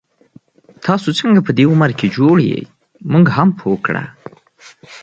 تاسو څنګه په دی عمر کي جوړ يې، مونږ هم پوه کړه